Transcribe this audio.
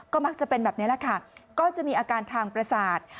ก็มักจะเป็นแบบนี้แหละค่ะก็จะมีอาการทางประสาท